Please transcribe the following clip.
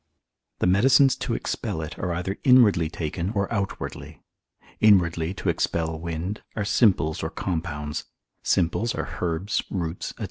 The medicines to expel it are either inwardly taken, or outwardly. Inwardly to expel wind, are simples or compounds: simples are herbs, roots, &c.